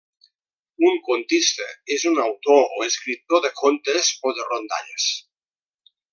Un contista és un autor o escriptor de contes o de rondalles.